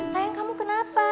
sayang kamu kenapa